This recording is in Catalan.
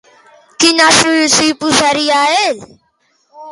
Quina solució hi posaria, ell?